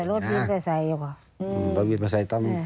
รถวินไปใส่ตั้ง